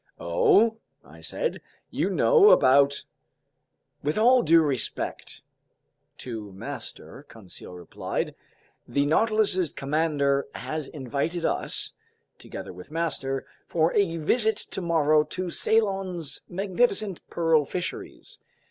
"Oh!" I said. "You know about—" "With all due respect to master," Conseil replied, "the Nautilus's commander has invited us, together with master, for a visit tomorrow to Ceylon's magnificent pearl fisheries.